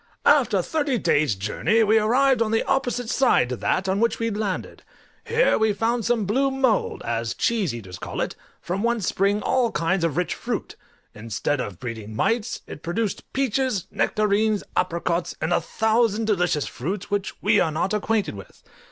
After thirty eight days' journey we arrived on the opposite side to that on which we landed: here we found some blue mould, as cheese eaters call it, from whence spring all kinds of rich fruit; instead of breeding mites it produced peaches, nectarines, apricots, and a thousand delicious fruits which we are not acquainted with.